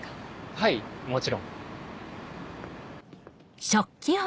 はいもちろん。